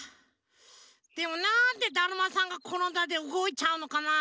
でもなんで「だるまさんがころんだ」でうごいちゃうのかな。